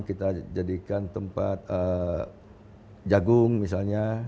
kita jadikan tempat jagung misalnya